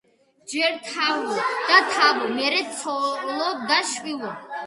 ჯერ თავო და თავო, მერე ცოლო და შვილო.